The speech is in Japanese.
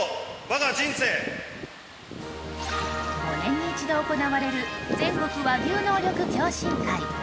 ５年に一度行われる全国和牛能力共進会。